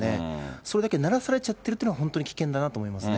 それだけ慣らされちゃってるというのは、本当に危険だなと思いますね。